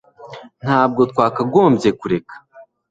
Ntabwo twakagombye kureka